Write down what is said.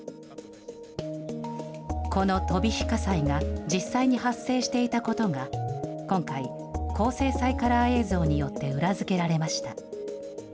この飛び火火災が実際に発生していたことが、今回、高精細カラー映像によって裏付けられました。